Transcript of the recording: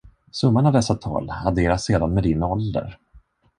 Summan av dessa tal adderas sedan med din ålder.